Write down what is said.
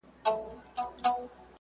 د مظلوم چیغي چا نه سوای اورېدلای